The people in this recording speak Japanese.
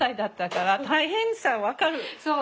そう。